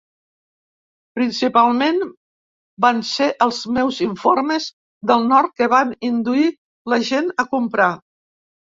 Principalment van ser els meus informes del nord que van induir la gent a comprar.